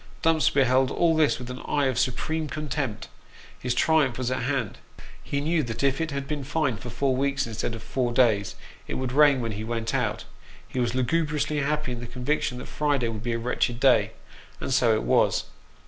Dumps beheld all this with an eye of supreme contempt his triumph was at hand. He knew that if it had been fine for four weeks instead of four days, it would rain when he went out ; he was lugubriously happy in the conviction that Friday would be a wretched day and so it was.